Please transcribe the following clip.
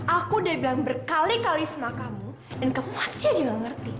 aku udah bilang berkali kali sama kamu dan kamu masih aja nggak ngerti